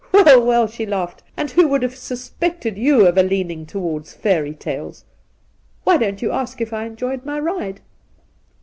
* Well, well,' she laughed, ' who would have suspected you of a leaning towards fairy tales ? Why don't you ask if I enjoyed my ride